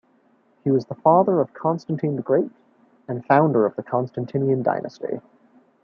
He was the father of Constantine the Great and founder of the Constantinian dynasty.